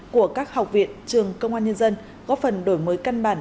của các học viện trường công an nhân dân góp phần đổi mới căn bản